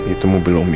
itu mu belum berubah